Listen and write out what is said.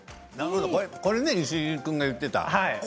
これね、石井君が言っていた。